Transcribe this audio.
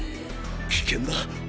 危険だ。